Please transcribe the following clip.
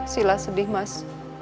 sila sedih mas